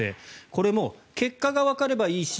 これも結果がわかればいいし